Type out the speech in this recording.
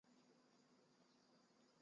牡丹虾海胆